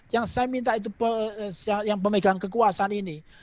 yang saya minta pemegang kekuasaan ini